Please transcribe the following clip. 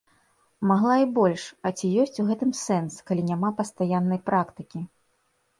Магла і больш, а ці ёсць у гэтым сэнс, калі няма пастаяннай практыкі?